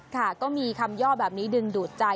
ค่ะก็มีคำย่อแบบนี้ดึงดูดใจ